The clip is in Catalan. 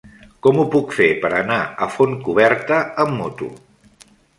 Com ho puc fer per anar a Fontcoberta amb moto?